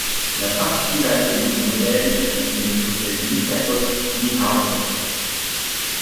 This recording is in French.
La particularité de ce modèle est qu’il ne possède ni capote ni hard-top.